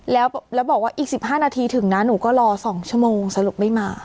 แล้วบอกว่าอีก๑๕นาทีถึงนะหนูก็รอ๒ชั่วโมงสรุปไม่มา